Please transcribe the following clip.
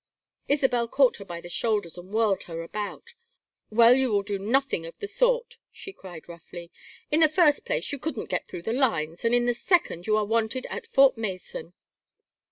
Isabel caught her by the shoulders and whirled her about. "Well, you will do nothing of the sort," she cried, roughly. "In the first place you couldn't get through the lines, and in the second you are wanted at Fort Mason.